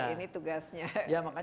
ini tugasnya khusus kang uu